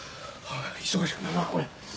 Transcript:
忙しくなるなこれ。